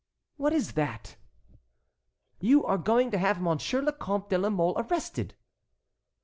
"What is that?" "You are going to have Monsieur le Comte de la Mole arrested."